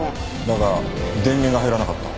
だが電源が入らなかった。